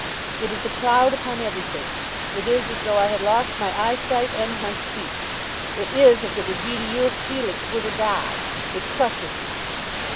It is a cloud upon everything. It is as though I had lost my eyesight and my speech. It is as it would be to you if Felix were to die. It crushes me."